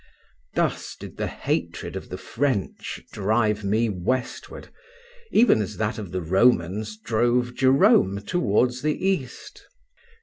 Thus did the hatred of the French drive me westward, even as that of the Romans drove Jerome toward the East.